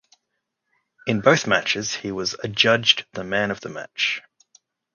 In both matches he was adjudged the man of the match.